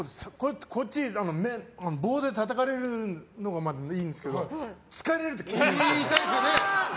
棒でたたかれるのならまだいいんですけど突かれるときついんですよね。